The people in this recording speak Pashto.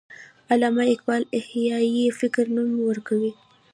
علامه اقبال احیای فکر نوم ورکړی.